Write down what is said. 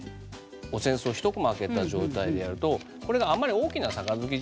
お扇子をひとこま開けた状態でやるとこれがあんまり大きな杯ではないよと。